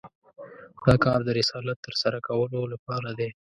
دا کار د رسالت تر سره کولو لپاره دی.